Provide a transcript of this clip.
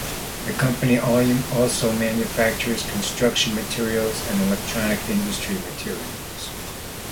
The Company also manufactures construction materials and electronic industry materials.